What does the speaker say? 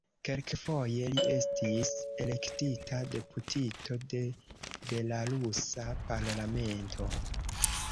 Kelkfoje li estis elektita deputito de belarusa parlamento.